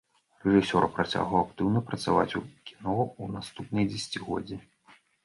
Рэжысёр працягваў актыўна працаваць у кіно ў наступныя дзесяцігоддзі.